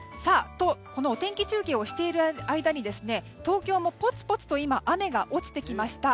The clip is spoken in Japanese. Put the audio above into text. このお天気中継をしている間に東京も、ぽつぽつと雨が落ちてきました。